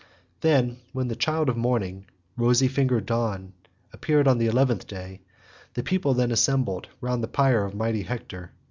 Then when the child of morning, rosy fingered dawn, appeared on the eleventh day, the people again assembled, round the pyre of mighty Hector.